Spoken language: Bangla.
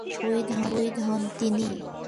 শহীদ হন তিনি।